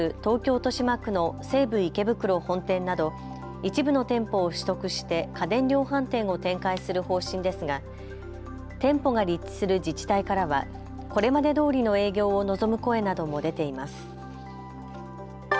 豊島区の西武池袋本店など一部の店舗を取得して家電量販店を展開する方針ですが、店舗が立地する自治体からはこれまでどおりの営業を望む声なども出ています。